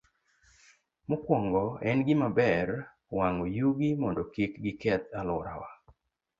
Mokwongo, en gima ber wang'o yugi mondo kik giketh alworawa.